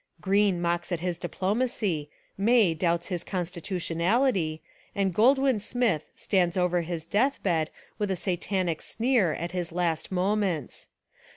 Green mocks at his diplomacy, May doubts his constitutionality, and Goldwin Smith stands over his death bed with a satanic sneer at his last moments.